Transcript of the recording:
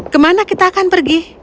kemana kita akan pergi